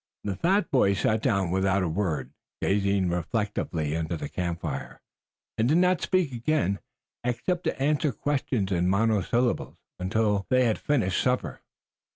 The fat boy sat down without a word, gazing reflectively into the campfire, and did not speak again, except to answer questions in monosyllables, until they had finished supper.